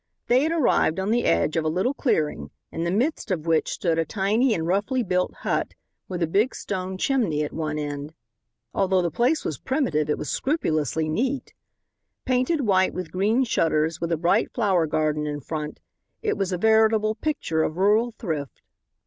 They had arrived on the edge of a little clearing in the midst of which stood a tiny and roughly built hut with a big stone chimney at one end. Although the place was primitive it was scrupulously neat. Painted white with green shutters, with a bright flower garden in front, it was a veritable picture of rural thrift.